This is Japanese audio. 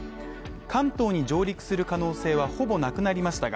関東に上陸する可能性はほぼなくなりましたが、